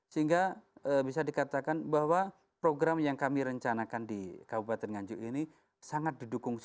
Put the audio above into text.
sehingga bisa dikatakan bahwa program yang kami rencanakan di kabupaten nganjuk ini sangat didukung